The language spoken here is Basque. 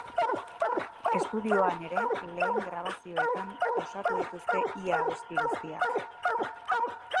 Estudioan ere, lehen grabazioetan osatu dituzte ia abesti guztiak.